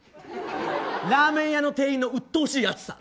ラーメン屋の店員のうっとうしい熱さ。